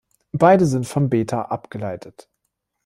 Beide sind vom Beta abgeleitet.